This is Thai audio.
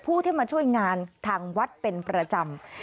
ผู้ที่มาช่วยงานทางวัดเป็นประจำ